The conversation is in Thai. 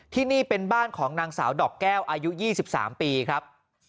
ที่นี่เป็นบ้านของนางสาวดอกแก้วอายุ๒๓ปีครับ